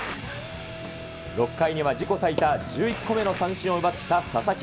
６回には自己最多１１個目の三振を奪った佐々木。